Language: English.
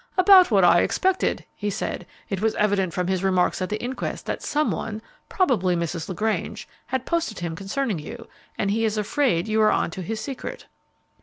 "About what I expected," he said. "It was evident from his remarks at the inquest that some one probably Mrs. LaGrange had posted him concerning you, and he is afraid you are onto his secret."